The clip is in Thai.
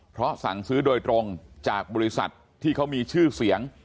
เพราะสั่งซื้อโดยตรงจากบริษัทที่เขามีชื่อเสียง